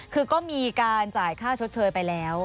คือก็มีการจ่ายค่าชดเชยไปแล้ว